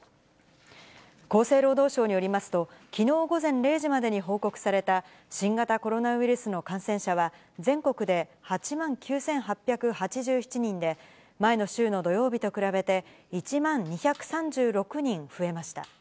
厚生労働省によりますと、きのう午前０時までに報告された、新型コロナウイルスの感染者は全国で８万９８８７人で、前の週の土曜日と比べて、１万２３６人増えました。